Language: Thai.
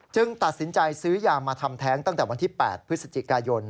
ตัดสินใจซื้อยามาทำแท้งตั้งแต่วันที่๘พฤศจิกายน